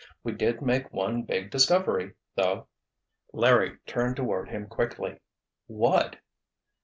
"We did make one big discovery, though." Larry turned toward him quickly. "What?"